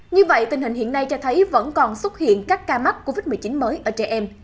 như vậy tình hình hiện nay cho thấy vẫn còn xuất hiện các ca mắc covid một mươi chín mới ở trẻ em